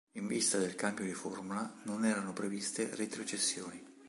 In visto del cambio di formula, non erano previste retrocessioni.